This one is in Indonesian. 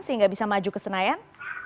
sehingga bisa maju ke senayan